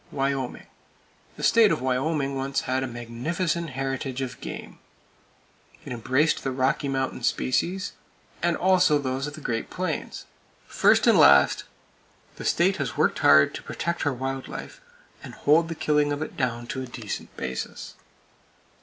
Wyoming: The State of Wyoming once had a magnificent heritage of game. It embraced the Rocky Mountain species, and also those of the great plains. First and last, the state has worked hard to protect her wild life, and hold the killing of it down to a decent basis.